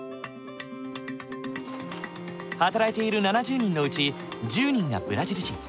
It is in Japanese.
働いている７０人のうち１０人がブラジル人。